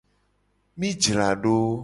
Mi jra do.